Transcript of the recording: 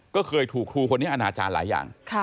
ก็เคยถูกครูคนนี้อนาจารย์หลายอย่าง